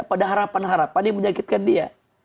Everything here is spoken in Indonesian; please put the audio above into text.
pada harapan harapan yang menyakitkan dia